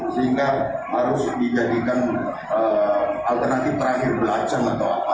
sehingga harus dijadikan alternatif terakhir belajar atau apa